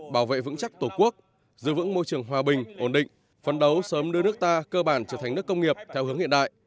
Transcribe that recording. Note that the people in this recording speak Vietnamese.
bảo vệ vững chắc tổ quốc giữ vững môi trường hòa bình ổn định phấn đấu sớm đưa nước ta cơ bản trở thành nước công nghiệp theo hướng hiện đại